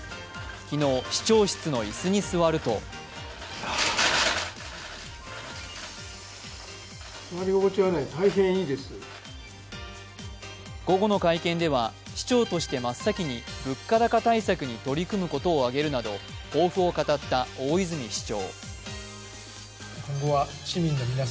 昨日、市長室の椅子に座ると午後の会見では市長として真っ先に物価高対策に取り組むことを挙げるなど抱負を語った大泉市長。